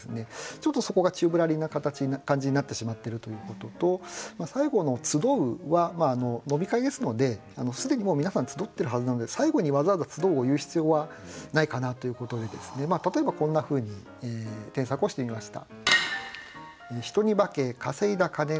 ちょっとそこが宙ぶらりんな感じになってしまっているということと最後の「集う」は飲み会ですので既にもう皆さん集ってるはずなので最後にわざわざ「集う」を言う必要はないかなということで例えばこんなふうに添削をしてみました。